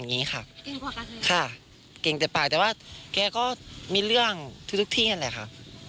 ส่วนตัวเราเราเชื่อไหมว่าเพื่อนเราทำ